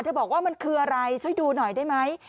บอกว่ามันคืออะไรช่วยดูหน่อยได้ไหม